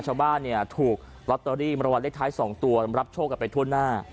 ชาวบ้านเนี่ยถูกลอตเตอรี่มรวรรณเลขท้าย๒ตัวรับโชคกันไปทั่วหน้า